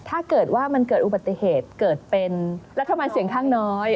ถ้าเกิดว่ามันเกิดอุบัติเหตุเกิดเป็นรัฐบาลเสียงข้างน้อย